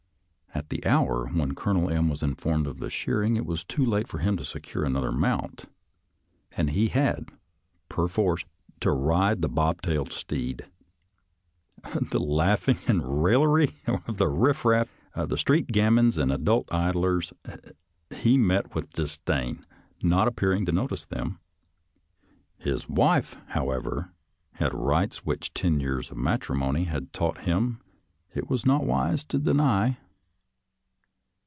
At the hour when Colonel M. was informed of the shearing it was too late for him to secure another mount, and he had, perforce, to ride the bob tailed steed. The laugh ing and raillery of the riff raff, the street gamins and adult idlers, he met with disdain, not ap pearing to notice them. His wife, however, had rights which ten years of matrimony had taught him it was not wise to deny.